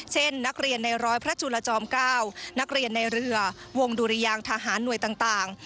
เช่นนักเรียนในร้อยพระจุลจอม๙นักเรียนในเรือวงดุรยางทหารหน่วยต่าง